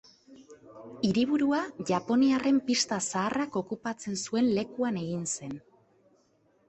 Hiriburua japoniarren pista zaharrak okupatzen zuen lekuan egin zen.